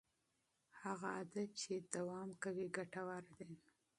هغه عادت چې دوام کوي ګټور دی.